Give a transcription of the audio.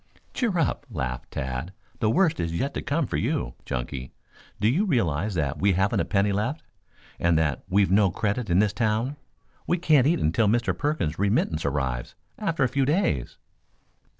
"Cheer up," laughed Tad. "The worst is yet to come for you, Chunky. Do you realize that we haven't a penny left, and that we've no credit in this town? We can't eat until Mr. Perkins' remittance arrives after a few days."